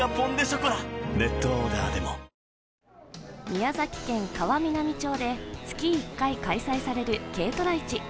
宮崎県川南町で月１回開催される軽トラ市。